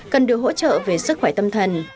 cần được hỗ trợ về sức khỏe tâm thần